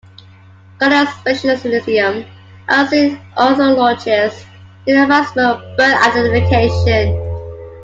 Gantlett's specialism as an ornithologist is the advancement of bird identification.